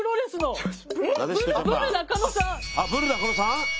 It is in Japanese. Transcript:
あっブル中野さん